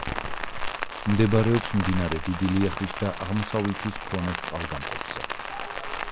მდებარეობს მდინარე დიდი ლიახვისა და აღმოსავლეთის ფრონეს წყალგამყოფზე.